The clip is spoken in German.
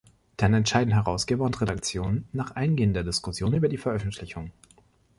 Dann entscheiden Herausgeber und Redaktion nach eingehender Diskussion über die Veröffentlichung.